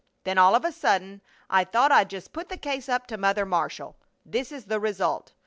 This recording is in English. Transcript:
Then all of a sudden I thought I'd just put the case up to Mother Marshall. This is the result.